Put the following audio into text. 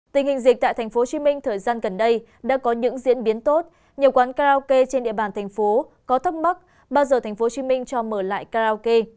tình hình dịch tại tp hcm thời gian gần đây đã có những diễn biến tốt nhiều quán karaoke trên địa bàn thành phố có thắc mắc bao giờ tp hcm cho mở lại karaoke